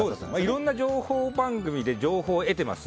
いろんな情報番組で情報を得ています。